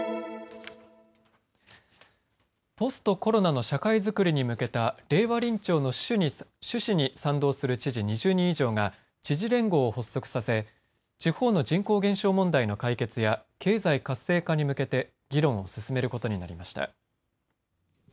ポストコロナの社会づくりに向けた令和臨調の趣旨に賛同する知事２０人以上が知事連合を発足させ地方の人口減少問題の解決や経済活性化に向けて議論を進めることになりました。